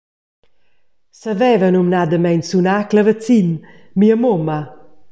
Saveva numnadamein sunar clavazin, mia mumma.